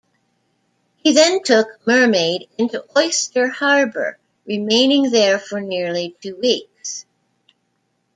He then took "Mermaid" into Oyster Harbour, remaining there for nearly two weeks.